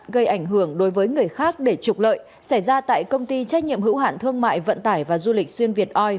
gây ảnh hưởng đối với người khác để trục lợi xảy ra tại công ty trách nhiệm hữu hạn thương mại vận tải và du lịch xuyên việt oi